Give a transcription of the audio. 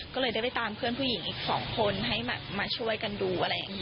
ก็เลยได้ไปตามเพื่อนผู้หญิงอีก๒คนให้มาช่วยกันดูอะไรอย่างนี้